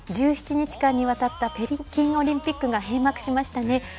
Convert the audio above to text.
１７日間にわたった北京オリンピックが閉幕しましたね。